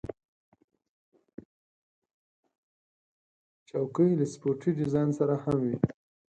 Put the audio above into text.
چوکۍ له سپورټي ډیزاین سره هم وي.